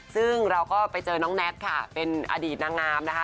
ซึ่งเราก็ไปเจอน้องแน็ตค่ะเป็นอดีตนางงามนะคะ